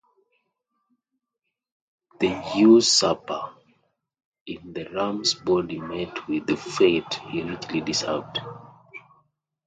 The usurper in the ram's body met with the fate he richly deserved.